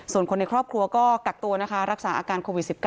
ส่วนคนในครอบครัวก็กักตัวนะคะรักษาอาการโควิด๑๙